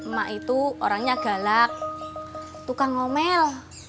mak itu orangnya galak tukang ngomel